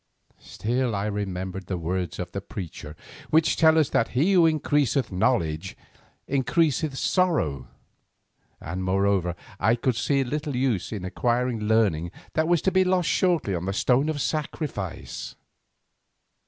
Still I remembered the words of the preacher which tell us that he who increaseth knowledge increaseth sorrow, and moreover I could see little use in acquiring learning that was to be lost shortly on the stone of sacrifice.